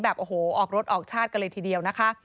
แบบโอ้โหออกรถออกชาติกันเลยทีเดียวนะคะ